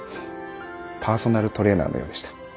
パーソナルトレーナーのようでした。